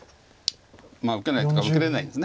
受けないというか受けれないんです。